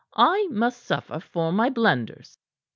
I must suffer for my blunders."